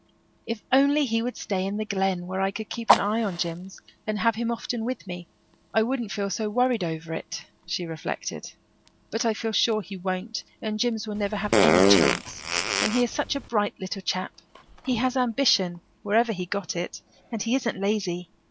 "If he would only stay in the Glen, where I could keep an eye on Jims and have him often with me I wouldn't feel so worried over it," she reflected. "But I feel sure he won't and Jims will never have any chance. And he is such a bright little chap he has ambition, wherever he got it and he isn't lazy.